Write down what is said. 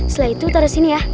setelah itu tari sini ya